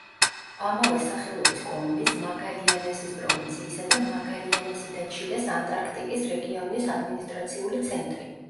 ამავე სახელობის კომუნის, მაგალიანესის პროვინციისა და მაგალიანესი და ჩილეს ანტარქტიკის რეგიონის ადმინისტრაციული ცენტრი.